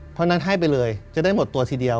เพราะฉะนั้นให้ไปเลยจะได้หมดตัวทีเดียว